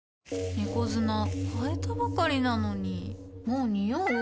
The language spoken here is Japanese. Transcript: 猫砂替えたばかりなのにもうニオう？